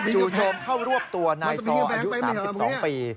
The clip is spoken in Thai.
โจมเข้ารวบตัวนายซออายุ๓๒ปี